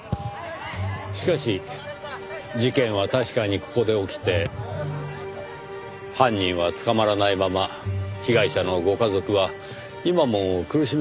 しかし事件は確かにここで起きて犯人は捕まらないまま被害者のご家族は今も苦しみ続けています。